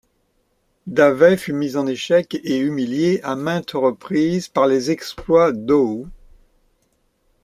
Davey fut mis en échec et humilié à maintes reprises par les exploits d'Howe.